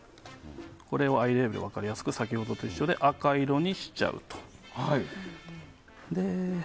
これをアイレベル分かりやすく先ほどと一緒で赤色にしちゃうと。